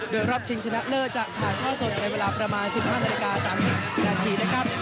โดยรอบชิงชนะเลิศจะถ่ายท่อสดในเวลาประมาณ๑๕นาฬิกา๓๐นาทีนะครับ